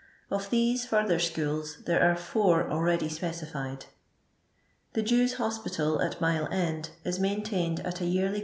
Of these further schools there are four already specified. The Jews' Hospital, at Mile End, is maintained at a yearly